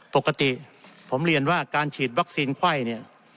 ปกติผมเรียนว่าการฉีดวัคซีนไข้เนี่ย